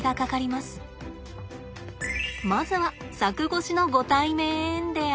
まずは柵越しのご対面で相性を見ます。